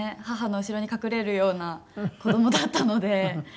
母の後ろに隠れるような子どもだったので。